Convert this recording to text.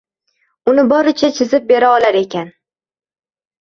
Uni boricha chizib bera olar ekan.